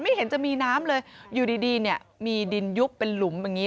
ไม่เห็นจะมีน้ำเลยอยู่ดีมีดินยุบเป็นหลุมแบบนี้